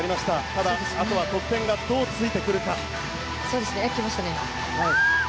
ただ、あとは得点がどうついてくるか。来ましたね。